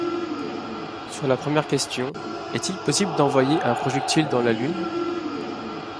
Sur la première question: — Est-il possible d’envoyer un projectile dans la Lune?